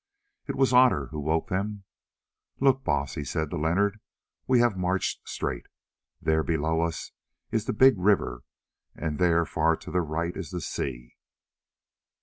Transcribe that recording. It was Otter who woke them. "Look, Baas," he said to Leonard, "we have marched straight. There below us is the big river, and there far to the right is the sea."